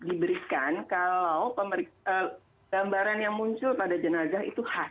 diberikan kalau gambaran yang muncul pada jenazah itu khas